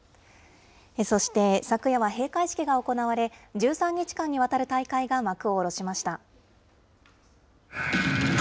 そして昨夜は閉会式が行われ、１３日間にわたる大会が幕を下ろしました。